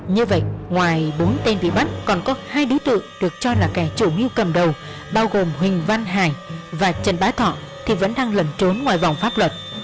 như vậy ngoài bốn tên bị bắt còn có hai đối tượng được cho là kẻ chủ mưu cầm đầu bao gồm huỳnh văn hải và trần bá thọ thì vẫn đang lẩn trốn ngoài vòng pháp luật